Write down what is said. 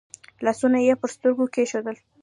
لاسونه يې پر سترګو کېښودل.